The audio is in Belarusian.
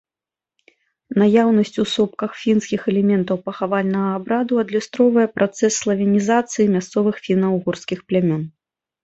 Наяўнасць у сопках фінскіх элементаў пахавальнага абраду адлюстроўвае працэс славянізацыі мясцовых фіна-угорскіх плямён.